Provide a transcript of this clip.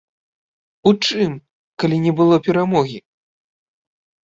У чым, калі не было перамогі?